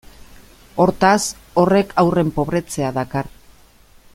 Hortaz, horrek haurren pobretzea dakar.